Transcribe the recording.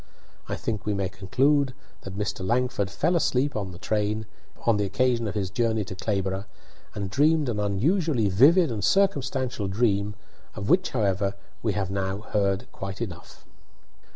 I think we may conclude that Mr. Langford fell asleep in the train on the occasion of his journey to Clayborough, and dreamed an unusually vivid and circumstantial dream, of which, however, we have now heard quite enough."